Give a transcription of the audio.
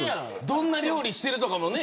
どんな料理してるとかもね。